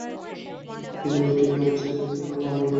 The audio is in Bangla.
তীরে উঠিয়া রমেশের কোনো খবর পাওয়া গেল না।